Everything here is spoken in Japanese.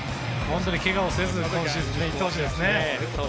けがをせずに今シーズンいってほしいですね。